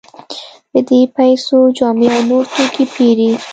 په دې پیسو جامې او نور توکي پېري.